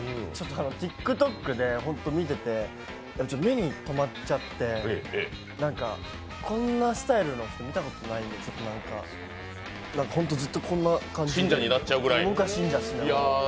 ＴｉｋＴｏｋで見てて目にとまっちゃって、こんなスタイルの人見たことないんで、ホントずっとこんな感じで僕は信者ですね。